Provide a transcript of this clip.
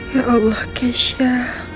ya allah kesha